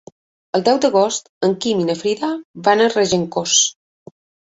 El deu d'agost en Guim i na Frida van a Regencós.